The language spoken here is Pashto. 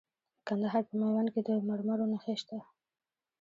د کندهار په میوند کې د مرمرو نښې شته.